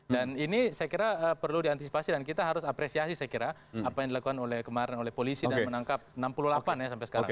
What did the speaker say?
dan ini saya kira perlu diantisipasi dan kita harus apresiasi saya kira apa yang dilakukan oleh kemarin oleh polisi dan menangkap enam puluh delapan ya sampai sekarang